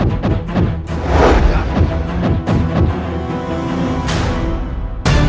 ketika kanda menang kanda menang